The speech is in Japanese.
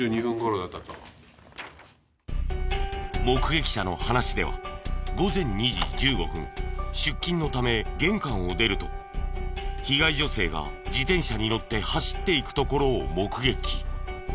目撃者の話では午前２時１５分出勤のため玄関を出ると被害女性が自転車に乗って走っていくところを目撃。